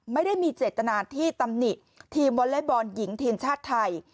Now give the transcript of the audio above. ไม่ได้มีเจตนาที่ตำหนิทีมวอเล็กบอลหญิงทีมชาติไทย